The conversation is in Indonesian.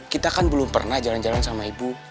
kita kan belum pernah jalan jalan sama ibu